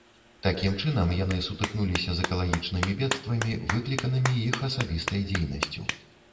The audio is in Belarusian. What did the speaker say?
Такім чынам яны сутыкнуліся з экалагічнымі бедствамі, выкліканымі іх асабістай дзейнасцю.